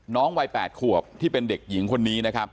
ทีมข่าวเราก็พยายามสอบปากคำในแหบนะครับ